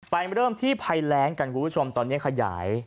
เริ่มที่ภัยแรงกันคุณผู้ชมตอนนี้ขยาย